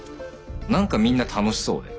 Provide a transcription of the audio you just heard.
何かみんな楽しそうで。